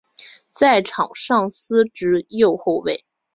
在场上司职右后卫。